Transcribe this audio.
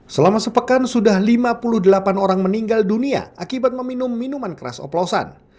selama sepekan sudah lima puluh delapan orang meninggal dunia akibat meminum minuman keras oplosan